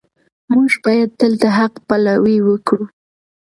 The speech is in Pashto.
موږ باید تل د حق پلوي وکړو.